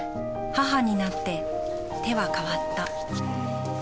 母になって手は変わった。